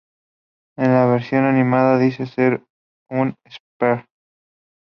En la versión animada, dice ser un esper.